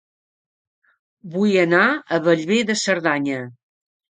Vull anar a Bellver de Cerdanya